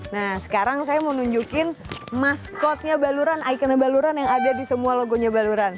nah sekarang saya mau nunjukin maskotnya baluran ikonnya baluran yang ada di semua logonya baluran